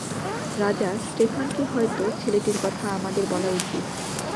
রাজা স্টেফানকে হয়তো ছেলেটির কথা আমাদের বলা উচিত।